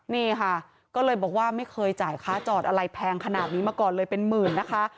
นี่ค่ะก็เลยบอกว่าไม่เคยจ่ายค่าจอดอะไรแพงขนาดนี้มาก่อนเลยเป็นหมื่นนะคะ